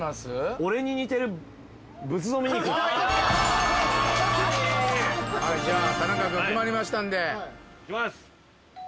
俺に似てる仏像見に行くっていうじゃあ田中君決まりましたんでいきます